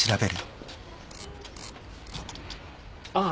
ああ。